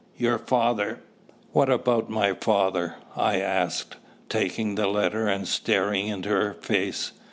Your father " "What about my father?" I asked, taking the letter and staring into her face.